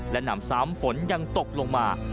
และนำซ้ำฝนยังตกลงมา